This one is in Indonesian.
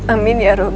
amin ya ruh